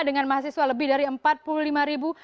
dengan mahasiswa lebih dari empat puluh lima ribu